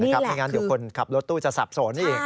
นี่แหละคือดังนั้นเดี๋ยวคนขับรถตู้จะสับโสนอีก